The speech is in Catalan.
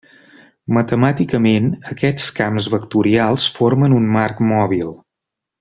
Matemàticament aquests camps vectorials formen un marc mòbil.